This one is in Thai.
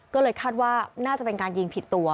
ก็เลยคาดว่าน่าจะเป็นการยิงผิดตัว